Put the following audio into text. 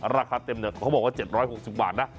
ราคาเต็มเขาบอกว่า๗๖๐บาทนะ